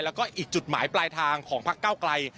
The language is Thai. แล้วก็อีกจุดหมายปลายทางของพักเก้าไกล